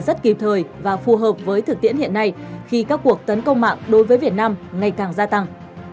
rất kịp thời và phù hợp với thực tiễn hiện nay khi các cuộc tấn công mạng đối với việt nam ngày càng gia tăng